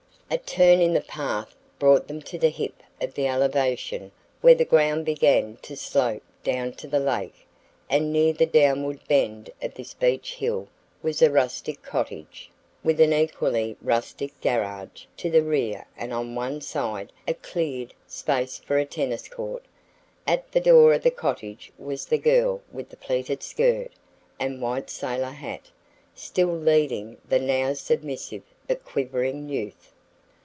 A turn in the path brought them to the hip of the elevation where the ground began to slope down to the lake and near the downward bend of this beach hill was a rustic cottage, with an equally rustic garage to the rear and on one side a cleared space for a tennis court. At the door of the cottage was the girl with the pleated skirt and white sailor hat, still leading the now submissive but quivering youth.